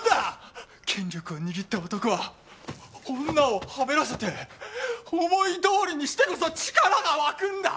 権力を握った男は女をはべらせて思いどおりにしてこそ力が湧くんだ！